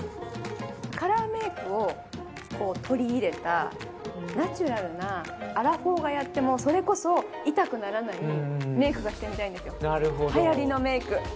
カラーメイクを取り入れたナチュラルなアラフォーがやっても痛くならないメイクがしてみたいんですよ。